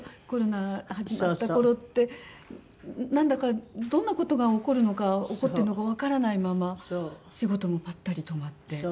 コロナが始まった頃ってなんだかどんな事が起こるのか起こってるのかわからないまま仕事もぱったり止まって。